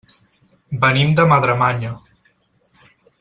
Venim de Madremanya.